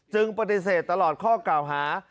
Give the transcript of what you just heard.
จึงปฏิเสธตลอดข้อเก่าหา